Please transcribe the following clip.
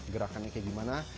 gerakannya kayak gimana